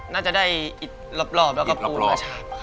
น่าจะได้อิดลบแล้วก็ปูนก่อน